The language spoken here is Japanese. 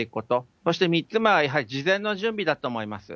そして３つ目は、やはり事前の準備だと思います。